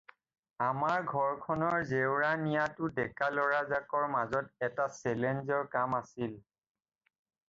আমাৰ ঘৰখনৰ জেউৰা নিয়াটো ডেকা ল'ৰাজাকৰ মাজত এটা চেলেঞ্জৰ কাম আছিল।